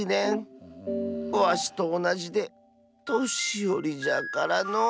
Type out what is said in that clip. わしとおなじでとしよりじゃからのう。